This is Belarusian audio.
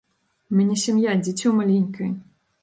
У мяне сям'я, дзіцё маленькае.